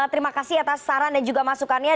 terima kasih atas saran dan juga masukannya